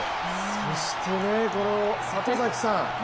そしてこの里崎さん。